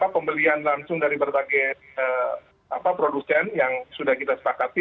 pembelian langsung dari berbagai produsen yang sudah kita sepakati